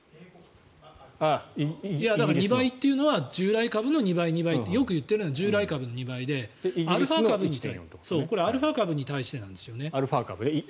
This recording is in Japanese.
だから２倍というのは従来株の２倍とよく言っているのは従来株の２倍でこれはアルファ株に対してなんですよね。